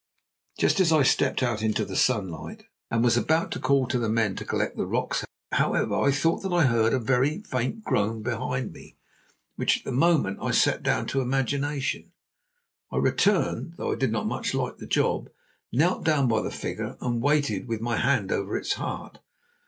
Just as I stepped out into the sunlight, and was about to call to the men to collect the rocks, however, I thought that I heard a very faint groan behind me, which at the moment I set down to imagination. Still, I returned, though I did not much like the job, knelt down by the figure, and waited with my hand over its heart.